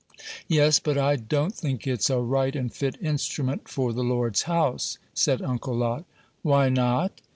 "Yes; but I don't think it's a right and fit instrument for the Lord's house," said Uncle Lot. "Why not?